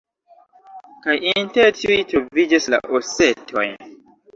Kaj inter tiuj troviĝas la osetoj.